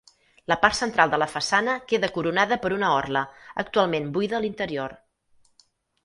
La part central de la façana queda coronada per una orla, actualment buida a l'interior.